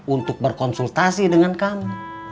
untuk berkonsultasi dengan kamu